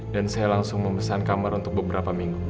dan saya langsung memesan kamar untuk beberapa minggu